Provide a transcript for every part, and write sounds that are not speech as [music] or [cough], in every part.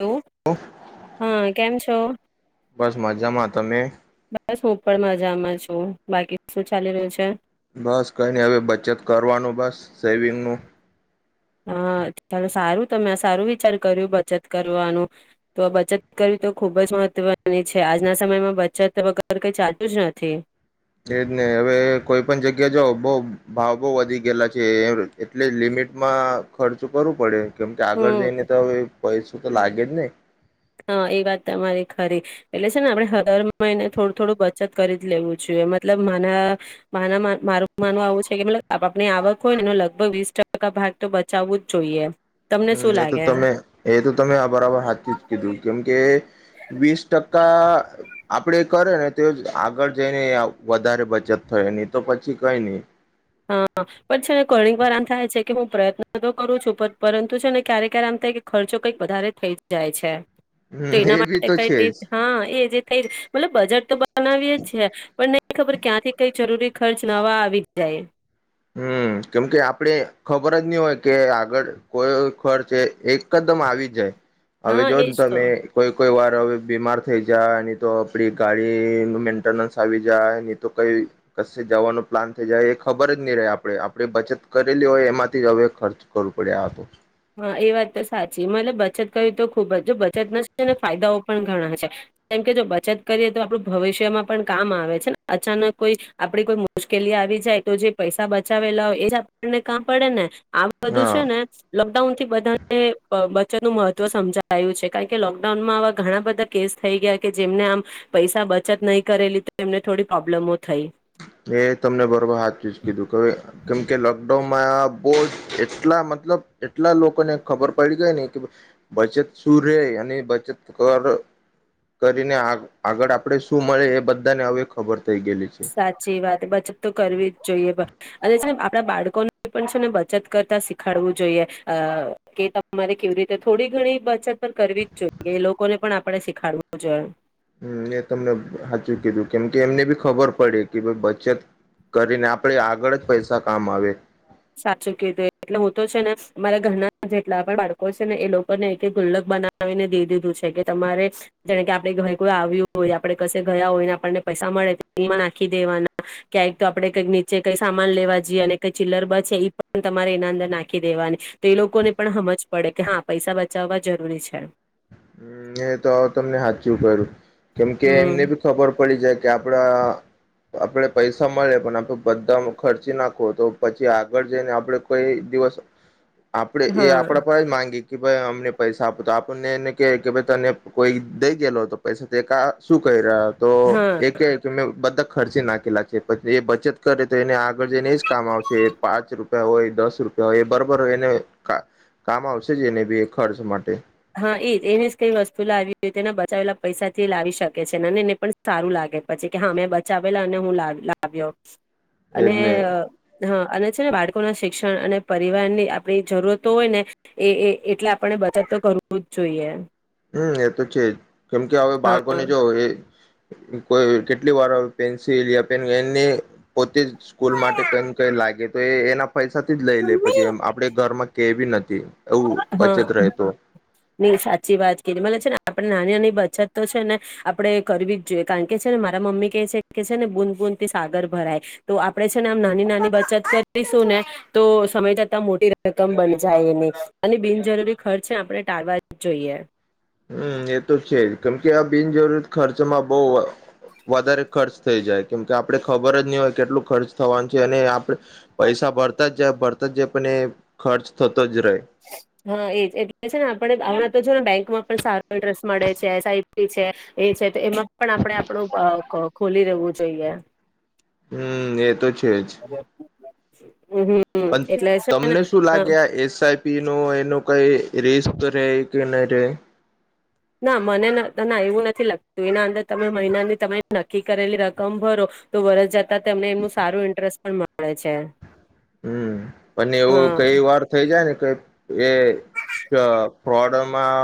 Hello hello હા કેમ છો બસ મજામાં તમે? બસ હું પણ મજામાં છું બાકી શું ચાલી રહ્યું છે? બસ કઈ ન હવે બચત કરવાનું બસ સેવિંગનું. હા ચાલ સારું તમે આ સારું વિચાર કર્યું બચત કરવાનું, તો બચત કરવી તો ખુબ જ મહત્વની છે, આજના સમયમાં બચત વગર કઈ ચાલતુ જ નથી. એ જ ને હવે કોઈ પણ જગ્યા જઓ બઉ ભાવ બઉ વધી ગયેલા છે એટલે લિમિટમાં ખર્ચ કરવું પડે. કેમકે આગળ જઈને હમ તો પૈસા તો લાગે જ ને. હા એ વાત તમારી ખરી, એટલે છે ને આપણે હર મહિને થોડું થોડું બચત કરી જ લેવું જોઈએ મતલબ માને મારું, માનવા આવું છે કે મતલબ આપણી આવક હોયને એ લગભગ વીસ ટકા ભાગ તો બચાવવું જ જોઈએ. તમને હમ શું એ તો લાગે તમે એ તો તમે આ બરાબર હાથથી જ કીધું. કેમકે, વીસ ટકા આપડે કરે ને તો જ આગળ જઈને વધારે બચત થઈ નહી તો પછી કઈ નહી. હા, પણ છે ને કોલ્ ડ્રિંક વાર આમ થાય છે કે હું પ્રયત્ન તો કરું છું પરંતુ છે ને ક્યારે ક્યારે આમ થાય કે ખર્ચો કંઈક વધારે થઈ જ જાય છે. તો હમ એના એ બી માટે તો છે કઈ જ હા એ જે થઈ બલે બજેટ તો બનાવીએ જ છે, પણ નહી ખબર ક્યાંથી કઈ જરૂરી ખર્ચ નવા આવી. જાય. હમ કેમ કે આપડે ખબર જ નહી હોય કે આગળ કોઈ ખર્ચ એ એકદમ આવી જાય. હવે હા જો ને એજ તો તમે કોઈ કોઈ વાર હવે બીમાર થઈ જાય નહી તો આપડી ગાડી નું મેન્ટેનન્સ આવી જાય નહી તો કઈ ક જવાનું પ્લાન થઈ જાય એ ખબર નહી રહે આપણેે આપે બચત કરેલી હોય એમાંથી હવે ખર્ચ કરવું પડે આ તો. હા એ વાત તો સાચી મલે બચત કરી તો ખુબ જ જો બચત ના ને ફાયદાઓ પણ ઘણા છે, કેમ કે જો બચત કરીએ તો આપણું ભવિષ્યમાં પણ કામ આવે છે ને, અચાનક કોઈ આપડી કોઈ મુશ્કેલી આવી જાય તો જે પૈસા બચાવેલા હોય એ જ આપણને કામ પડે ને. આ બધું હા છે ને લોકડાઉન થી બધાને બચતનું મહત્વ સમજાયું છે, કારણ કે લોકડાઉનમાં આવા ઘણા બધા કેસ થઈ ગયા કે જેમને આમ, પૈસા બચત નહીં કરેલી એમને થોડી પ્રોબ્લેમ એ તમને બરોબર હાથ ચ જ કીધું કેવે કેમ કે લોકડાઉનમાં બહ જ એટલા મતલબ એટલા લોકોને ખબર પડી ગઈ ને કે, બચત શું રે અને બચત કર કરીને આગળ આપડે શું મળે એ બધાને હવે ખબર. થઈ ગેલી છે. જેી વાત બચત તો કરવી જ જોઈએ અને છે, ને આપડા બાળકોને પણ છે ને બચત કરતા શીખાડવું જોઈએ, કે તમારે કેવી રીતે થોડી ઘણી બચત પણ કરવી જ જોઈએ એ લોકોને પણ આપણે શીખાડવું જોઈએ. હમ મે તમને સાચું કીધું કેમ કે એમને બી ખબર પડે કે ભ બચત કરીને આપણે આગળ જ પૈસા કામ આવે. સાચું કું એટલે હું તો છે ને, અરા ઘરના જેટલા પણ બાળકો છે ને એ લોકોને એક ગુલ્લક બનાવીને દે દીધું છે, કે તમારે જેને કે આપડ ઘરે કોઈ આવ્યું હોય આપણે ક ગયા હોય ને આપણને પૈસા મળે એ નાખી દેવાના, ક્યાંક તોડણે કઈક નીચે કઈ સામાન લેવા જઈએ અને કઈ ચીલર બ એ પણ તમારે એના અંદર નાખી દેવાની, તો એ લોકોને પણ સમજ પડે કે હા પૈસા બચાવવા જરૂરી છે. એ તો આવ તમને હાથથી કર્યું. કેમ કે એમને હમ ભી ખબર પડી જાય કે આપડા આપણે પૈસા મળે પણ આપણે બધા ખર્ચી નાખો તો પછી આગળ જઈને આપડે કોઈ દિવસ આપડે એ હા આપડા પર માંગી કે ભાઈ અમને પૈસા આપતા આપને એને કે કે ભાઈ તને કોઈ દઈ ગયેલો તો પૈસા તે ક શું કાયરા તો હા એક કે મે. [unintelligible] ખર્ચી નાખેલા છે. પછી એ બચત કરે તો એને આગળ જઈને જ કામ આવશે. પાંચ રૂપિયા હોય, દસ રૂપિયા હોય, એ બરાબરય એને કામ આવશે જ એને બી ખર્ચ માટે. હા એ એને જ કઈ વસ્તુ લાવી હોય બચાવેલા પૈસાથી લાવી શકે છે. એને પણ સારું લાગે પછી કે હા મેં બચાવેલા અને હું લા લાવ્યો અને એજને હા અને છે બાળકો ના શિક્ષણ અને પરિવારની આપણી જરૂરતો હોય ને એ એટલે આપણે બચત તો કરવું કરવું જ જોઈએ. હમ એ તો છે જ કેમ કે હવે બાળકોને હા જો એ કોઈ કેટલી વાર પેન્સિલ પેન એને પોતે જ સ્કૂલ માટે કમ કઈ લાગે તો એ એના પૈસા થી જ લઈ લે પછી એમ આપડે ઘરમાં કેવી નથી. એવું હા બચત રહે તો. કે મ છે ને આપડે નાની નાની બચત તો છે ને આપડે કરવી જ જોઈએ કારણ કે છે ને મારા મમ્મી કેહે છે કે છે ને બૂદ બૂદ થી સાગર ભરાય તો આપડે છે ને આમ નાની નાની બચત કરીશું ને તો સમય જતા મોટી રકમ બન જાય એની અને બિનજરૂરી ખર્ચે આપણે ટાળવા જ જોઈએ. હમ એ તો છે જ કેમકે આ બિનજરૂરી ખર્ચમાં બો વધારે ખર્ચ થઈ જાય કેમકે આપણે ખબર જ નહી હોય કેટલું ખર્ચ થવાનું છે અને આપણે પૈસા ભરતા જ જાય ભરતા જ જાય પણ એ ખર્ચ થત હા એજ એટલે છે ને આપણને. [unintelligible] તો જોને બેંકમાં પણ સારો ઇન્ટરેસ્ટ મળે છે એસઆઈપી છે એ છે તો એમાં પણ આપણે આપણું ખોલી રહેવું જોઈએ. હમ એ તો છે જ. [inaudible] પણ એટલે છે ને તમને શું અ લાગે આ એસ પીનો એનો કઈ રિસ્ક રે કે નહી રે ના મને ના એવું નથી લાગતું એના અંદર તમે મહિનાની તમે નક્કી કરેલી રકમ ભરો તો વરસ જતા તમને એનું સારું ઇન્ટરેસ્ટ પણ મળે છે. હમ્મ અને એવું હા કઈ વાર થઇ જાય ને કે એ ફ્રોડમાં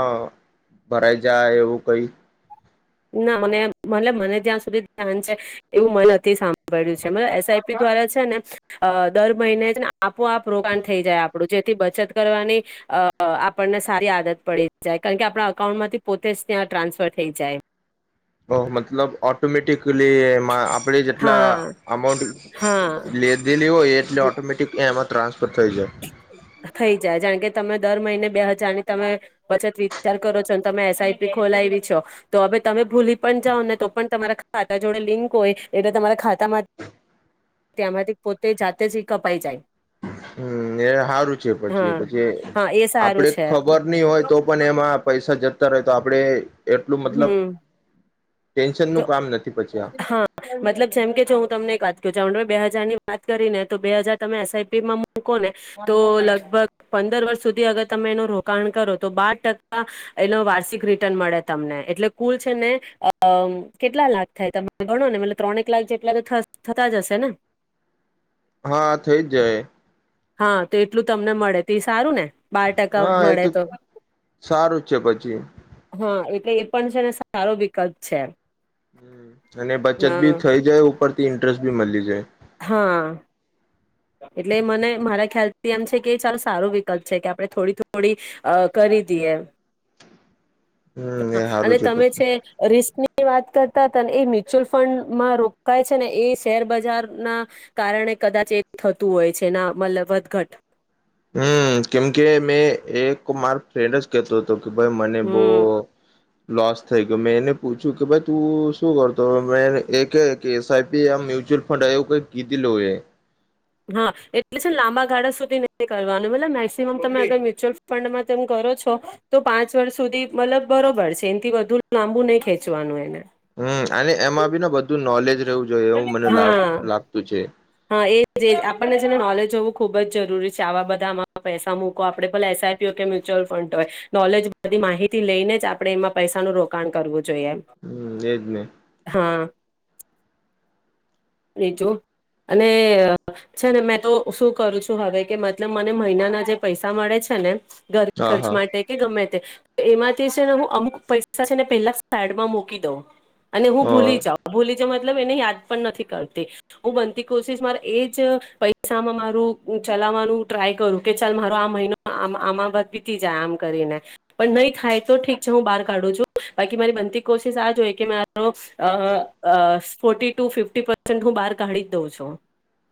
ભરાઈ જાય એવું કઈ. ના મને મતલબ મને ત્યાં સુધી ધ્યાન છે એવું મને નથી સાંભળ્યું છે મતલબ એસઆઈપી દ્વારા છે ને દર મહિને જ ને આપોઆપ રોકાણ થઈ જાય આપણું જેથી બચત કરવાની અ આપણને સારી આદત પડી જાય કારણ કે આપણા અકાઉન્ટમાંથી પોતે જ ત્યાં ટ્રાન્સફર થઈ જાય. ઓ મતલબ ઓટોમેટિકલી આપણે જેટલા હા હા અમાઉન્ટ લીધેલી હોય એ ઓટોમેટિક એ તેમાં ટ્રાન્સ થઈ જાય જાણ કે. તમે દર મહિને બે હજારની તમે બચત વિચાર કરો છો તમે એસઆઈપી ખોલાવી છો તો હવે તમે ભૂલી પણ જાઓ ને તો પણ તમારા ખાતા જોડે લિંક હોય એટલે તમારા ખાતામાં ત્યાંમાંથી પોતે જાતે જ કપાઈ જાય. હમ એ સારું છે પછી હા પછી હા એ સારું આપડે છે ખબર નહ હોય તો પણ એમાં પૈસા. જતર હોય તો આપડે. એટલું મતલબ હમ ટેન્શન જો નું કામ નથી પછી આ હા મતલબ જેમ કે છો હું તમને એક વાત કું છ બે હાજાર. ત કરીને તો બે હજાર તમે એસઆઈીમાં મકો ને તો લગભગ પંદર વર્ષ સુધી અગર તમે એનું રોકાણ કરો તો બાર ટકા એનો વાર્ષિક રિટર્ન મળે. તમને એટલે કુલ છે ને અ કેટલા લાખ થાય તમે ભણો ને ત્રણેક લાખ જેટલા તો થતા જશે ને. હા થઇ જ જાય. હા તો એટલું તમને મળે તે સારું ને. બાર ટકા હા એ તો મળે સારું છે પછી. હા એટલે એ પણ છે ને સારો વિકલ્પ છે. હ અને બચત બી થઇ હ જાય. પરથી ઇન્ટરેસ્ટી મળ લી જાય. હા. એટલે મને મારા ખ્યાલથી એમ છે કે ચાલો સારો વિકલ્પ છે કે આપણે થોડી થોડી અ કરી દઈએ. હમ એ સારું અને તમે પછી છે રિની. ની વાત કરતા તને એ મ્યુચ્યુઅલ ફંડમાં રોકાય છે ને એ શેર બજાર ના કારણે કદાચ એક. થતું હોય છે ના મતલબ વધઘટ. હમ કેમકે મેં એક માર ફ્રેન્ડ જ કેતો હતો. કે ભાઈ મને હમ બહ. લોસ થઈ ગયો મેં એને પૂછ્યું કે ભાઈ તું શું કરતો મે એ એસઆઈપી મ્યુચ્યુઅલ ફંડ એવું કઈ કીધીલ એ. હા એટલે છે ને લાંબા ગાળા સુધી નથી કરવાનું મતલબ મેક્સિમમ તમે અગર મ્યુચ્યુઅલ ફંડમાં તેમ કરો છો તો પાંચ વર્ષ સુધી મતલબ બરોબર છે એનાથી વધુ લાંબુ નહીં ખેંચવાનું એને. હમ અને એમાં બી બધું નોલેજ રહેવું જોઈએ એવું મને હા લાગતું છે. હા એ જે આપણને જેને નોલેજ હોવું ખુબ જ જરૂરી છે આવા બધા આમાં પૈસા મૂકો આપડે ભલા એસઆઈપી હોય કે મ્યુચ્યુઅલ ફંડ હોય નોલેજ બધી માહિતી લઈને જ આપણે એમાં પૈસાનું રોકાણ કરવું છે. જોમ હમ એજ ને હા. રજું. અને છે ને, મેં તો શું કરું છું હવે કે મતલબ મને મહિનાના જે પૈસા મળે છે ને. હા ઘરખર્ચ હા માટે કે ગમે એમાંથી છેને હું અમુક પૈસા છે ને પેલા જ સાઈડમાં મકી દઉં અને હું હ ભૂલી જાઉં ભૂલી મતલબ એને યાદ પણ નથી કરતી. હું બનતી કોશિશ મારે એજ પૈસામાં મારું ચલાવવાનું ટ્રાય કરું કે ચાલ મારો આ મહિનો આમાં વીતી જાય આમ કરીને પણ નહી થાય તો ઠીક છે હું બહાર કાઢું છું બાકી મારી બનતી કોશિશ આ જ હોય કે મારો અ.. અ ફો ટુ ફિફટી પરસેન્ટ હું બાર કાઢી દઉં છું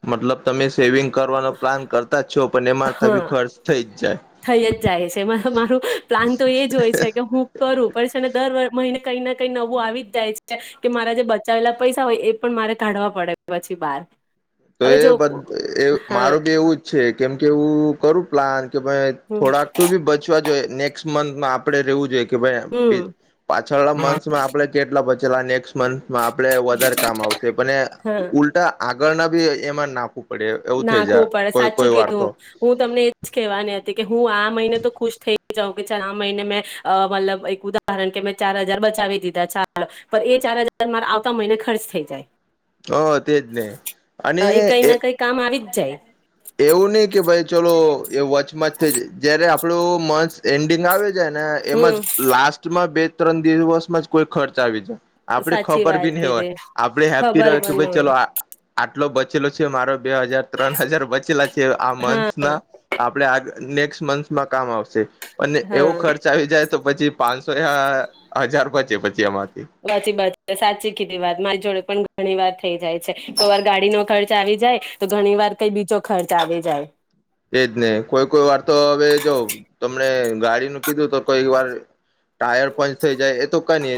મતલબ તમે સેવિંગ કરવાનો પ્લાન કરતાં જ છો પણ એમાં બી હા ખર્ચ થઈ જ જાય થઈ જ જાય છે મારું પ્લાન તો એ જ હોય છે કે હું કરું પણ છે ને દર મહિને કંઈ ના કંઈ નવું આવી જાય છે કે મારા જે બચાવેલા પૈસા હોય એ પણ મારે કાઢવા પડે પછી બાર તો એ બધ એ મારું બી એવું જ છે કેમ કેવું કરું પ્લાન કે ભાઈ હમ થોડાક તો બી બચવા જોઈએ નેક્સ્ટ મન્થ માં આપણે રહેવું જોઈએ કે ભાઈ પે હમ પાછળ ના માસમાં આપડે કેટલા બ ચલા આ નેક્સ્ટ મંથ માં આપણે વધારે કામ આવશે હા ઉલ્ટા આ ગણા એમાં નાખું. ના ખુબ પડે સાચું કીધું, હું તમને એજ કેવાની હતી કે હું આમ મહિને તો ખુશ થઈ જાઉં કે ચ આ મહિને મેં, મતલબ એક ઉદાહરણ કે મેં ચાર હજાર બચાવી દીધા ચાલો, પણ એ ચાર હજાર મારા આવતા મહિને ખર્ચ થઈ જાય. હ તે જ નહી અને કઈ એ ના કઈ કામ આવી જ જાય. એવું નહી કે ભાઈ ચલો એ વચમાં જ થ જ જયારે આપડું મંચ એન્ડિંગ આવે છે જ ને એમાંજ હમ લાસ્ટમાં બે ત્રણ દિવસમાં જ કોઈ ખર્ચ આવી જાય. આપડ સાચી ખબર વાત ભી નહ હોય, કીધી આપડ હેપી ખબર રહ કે પણ ન ભાઈ હોય ચલો આટલો બચેલો છે મારો બે હજાર ત્રણ હજાર વચ્ચે આ મન્થ ન હા આપણે આ નેક્સ્ટ મંથમાં કામ આવશે. અને એવો હા ખર્ચ આવી જાય તો પછી પાંચસો હજાર પચે પ સમાંત. સાચી બ સાચી કીધી વાત મારી જોડે પણ ઘણી વાર થઈ જાય છે, કોઈ વાર ગાડી નો ખર્ચ આવી જાય, તો ઘણી વાર કઈ બીજો ખર્ચ આવી જાય. એજ નહી કોઈ કોઈ વાર તો હવે જો તમને ગાડીનું કીધું તો કોઈ વાર ટાયર પંચ થઈ જાય એ તો કઈ નઈ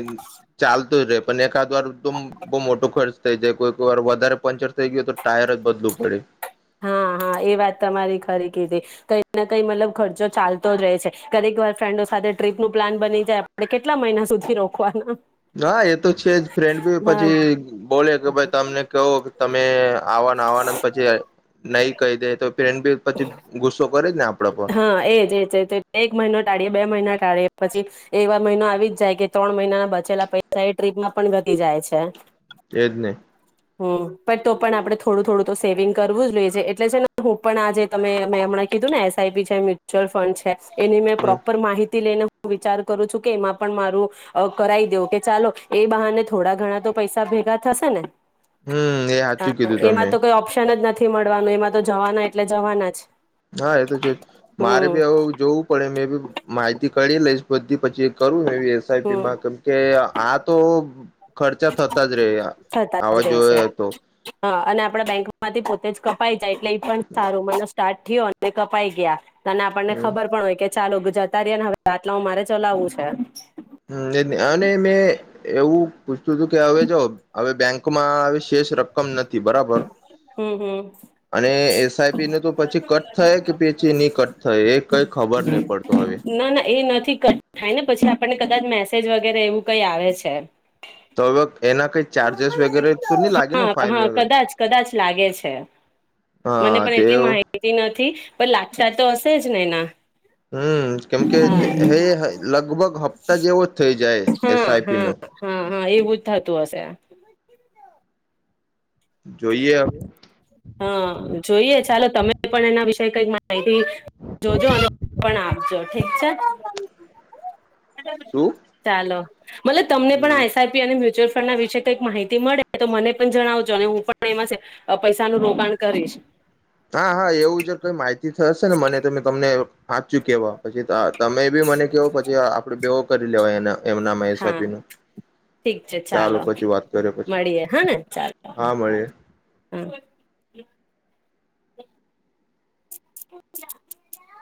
ચાલતું જ ર પણ એક દ્વારદમ બહુ મોટો ખર્ચ થઈ જાય કોઈક વાર વધારે પંક્ચર થઈ ગય હો તો ટાયર જ બદલું પડે હા હા એ વાત તમારી ખરી કીધી, કઈક ને કઈ મતલબ ખર્ચો ચાલતો જ રહે છે, કરેક વાર ફ્રેન્ડો સાથે ટ્રીપ નું પ્લાન બની જાય આપણે કેટલા મહિના સુધી રોકવાના. હા એ તો છે જ ફ્રેન્ડ બી હા પછી બોલે કે ભાઈ તમને કહો કે તમે આ. આવાનંદ પછી નહી કહી દે તો ફેન્ડ બી પછી ગુસ્સો કરે જ ને આપડા પર હા, એજ-એજ-એજ એક મહિનો ટાળીએ બે મહિના ટાળી પછી એવાર મહિનો આવી જ જાય કે ત્રણ મહિનાના બચેલા પૈસા એ ટ્રીપમાં પણ ઘટી જાય છે. એજ ને. હમ બ તો પણ આપણે થોડું-થોડું તો સેવિંગ કરવું જ જોઈ છે એટલે છે ને હું પણ આજે તમે મેં હમણાં કીધું ને એસ આઈપી છેાય મ્યુચ્યુઅલ ફંડ છે. એની મેં હમ પ્રોપર માહિતી લઈને હું વિચાર કરું છું કે એમાં પણ મારું અ કરાઈ દેવ કે ચાલો એ બહાને થોડા ઘણા તો પૈસા ભેગા થશે ને. હમ એ સાચું હા, કીધું તમે એમાં તો કોઈ ઓપ્શન જ નથી. નથી મળવાનું એમાં તો જવાના એટલે જવાના જ. હા એ મારે બી હમ હ જોવું પડે મેં બી માહિતી કરી લઈશ બધી પછી કરું એવી એસ આઈ પી હમ માં કેમ કે આ તો ખર્ચા થતા જ રહે થતા જ આવા રહે છે જોયે તો હા અને આપણે બેંકમાંથી પોતે જ કપાઈ જાય એટલે એ પણ સારું મહિનો સ્ટાર્ટ થયો અને કપાઈ ગયા. તને આપણને ખબર પણ હોય કે ચાલો જતા રએ ને હવે આટલામાં મારે ચલાવવું છે. હમ્મ એજ ને અને મેં એવું પૂછતું હતું કે હવે જો હવે બેંક કુમા આવીશ શેષ રકમ નથી બરાબર હમ હમ અને એસઆઈપી ન તો પછી કટ થાય કે પછી નની કટ થાય એ કઈ ખબર નહી પડતો હવે થી કટ થાય ને પછી આપણને કદાચ મેસેજ વગેરે એવું કઈ આવે છે. તો [unintelligible] ચાર્જસ વગેરે તો નહી લાગે ને ફાઈન હા-હા વગેરે કદાચ કદાચ લાગે છે મને હા પણ તે એટલી માહિતી નથી પણ લાગતા તો હ તે જ નેના હમ કેમકે હે લગભગ હપ્તા જેવો જ થઇ જા હા-હા-હા-હા એવું જ. થતું હશે. જોઈએ હવે. હા જોઈએ ચાલો તમે પણ એના વિશે કઈક માહિતી જોજો અને પણ આપજો ઠીક છે. શું ચાલો. મતલબ તમને પણ હમ આસઆઈપી અને મ્યચ્યુઅલ. ના વિશે કઈક માહિતી મળે તો મને પણ જણાવજો અને હું પણ એમાં છે. પૈસા નું રોકાણ કરીશ. હા હા એવું જો કઈ માહિતી થ હશે ને મને તોમે તમને સાાચું કેવા પછી તમે કે મને કેવો પછી આપડે બેઓ કરી લેવાય ને હા ઠીક છે ચાલો પછી વાત કરીએ પછી મળીએે હા ને ચાલો હા મળીએ હા. [unintelligible]